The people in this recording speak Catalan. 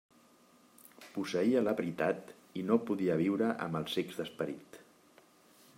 Posseïa la veritat i no podia viure amb els cecs d'esperit.